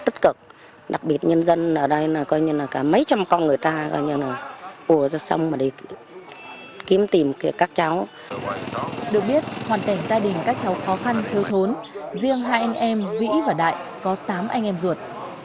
được biết hoàn cảnh gia đình các cháu khó khăn thiếu thốn riêng hai anh em vĩ và đại có tám anh em ruột